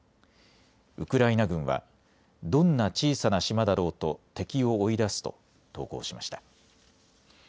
ウクライナ軍はどんな小さな島だろうと敵を追い出すと投稿しました。